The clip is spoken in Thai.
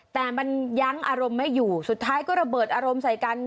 แต่มันยั้งอารมณ์ไม่อยู่สุดท้ายก็ระเบิดอารมณ์ใส่กัน